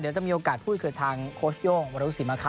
เดี๋ยวจะมีโอกาสพูดคือทางโคชโยงวรรุษิมะครับ